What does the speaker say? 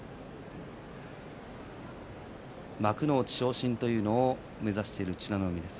幕内昇進というのを目指している美ノ海です。